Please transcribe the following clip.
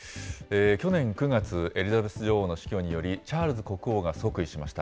去年９月、エリザベス女王の死去により、チャールズ国王が即位しました。